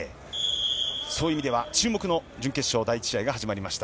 そういう意味では注目の準決勝第２試合が始まりました。